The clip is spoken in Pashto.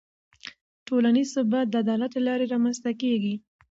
ټولنیز ثبات د عدالت له لارې رامنځته کېږي.